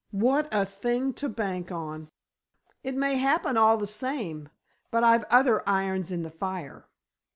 "What a thing to bank on!" "It may happen all the same. But I've other irons in the fire.